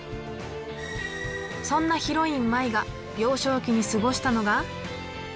そんなヒロイン舞が幼少期に過ごしたのが。